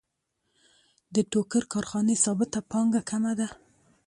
د ټوکر کارخانې ثابته پانګه کمه ده